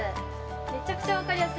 めちゃくちゃ分かりやすい。